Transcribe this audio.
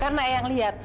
karena yang lihat